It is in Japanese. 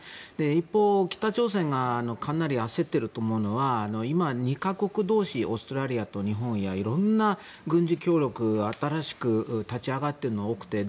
一方、北朝鮮がかなり焦っていると思うのは今、２か国同士オーストラリアと日本やいろんな軍事協力が新しく立ち上がっているものが多くて。